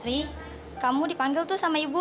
sri kamu dipanggil tuh sama yang itu mbak